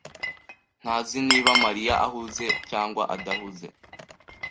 ntazi niba Mariya ahuze cyangwa adahuze.